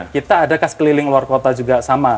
kita ada kas keliling luar kota juga sama